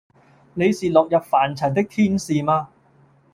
你是落入凡塵的天使嗎？